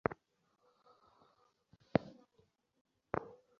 তোমাদিগকে আবার এই বিষয়টি স্পষ্টরূপে বুঝিতে হইবে।